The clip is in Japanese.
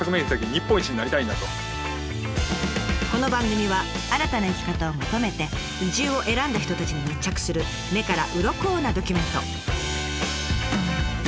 この番組は新たな生き方を求めて移住を選んだ人たちに密着する目からうろこなドキュメント。